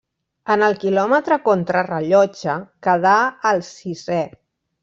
En el quilòmetre contrarellotge quedà el sisè.